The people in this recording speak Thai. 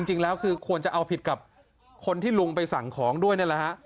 จริงแล้วคือควรจะเอาผิดกับคนที่ลุงไปสั่งของด้วยนี่แหละฮะ